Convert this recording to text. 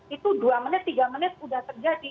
itu dua menit tiga menit sudah terjadi